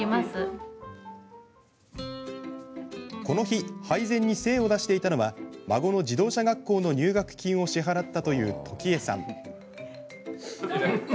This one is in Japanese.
この日、配膳に精を出していたのは孫の自動車学校の入学金を支払ったというトキエさん。